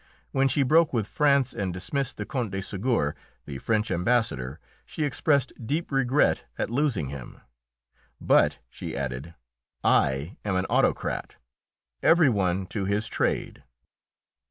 When she broke with France and dismissed the Count de Ségur, the French Ambassador, she expressed deep regret at losing him. "But," she added, "I am an autocrat. Every one to his trade."